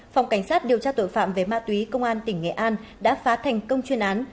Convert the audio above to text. phòng cảnh sát điều tra tội phạm về ma túy công an tỉnh nghệ an đã phá thành công chuyên án